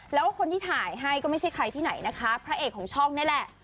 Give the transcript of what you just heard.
แล้วก็คนที่ถ่ายให้ก็ไม่ใช่ใครที่ไหนนะคะพระเอกของช่องนี่แหละ